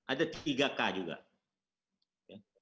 ada tiga k juga